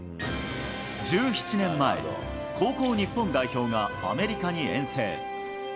１７年前、高校日本代表がアメリカに遠征。